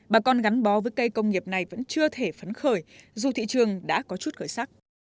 bà con gắn bó với cây công nghiệp này vẫn chưa thể phấn khởi dù thị trường đã có chút khởi sắc